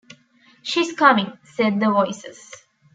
“She is coming,” said the voices.